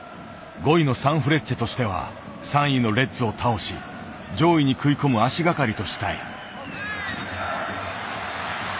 ５位のサンフレッチェとしては３位のレッズを倒し上位に食い込む足掛かりとしたい。